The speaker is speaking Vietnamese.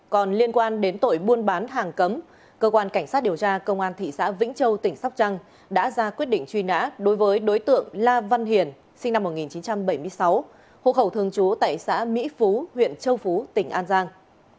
còn liên quan đến tội buôn bán hàng cấm cơ quan cảnh sát điều tra công an thị xã vĩnh châu tỉnh sóc trăng đã ra quyết định truy nã đối với đối tượng la văn hiền sinh năm một nghìn chín trăm bảy mươi sáu hộ khẩu thường trú tại xã mỹ phú huyện châu phú tỉnh an giang